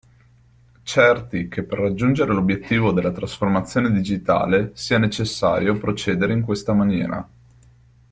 Certi che per raggiungere l'obiettivo della trasformazione digitale sia necessario procedere in questa maniera.